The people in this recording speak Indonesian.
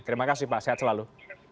terima kasih pak sehat selalu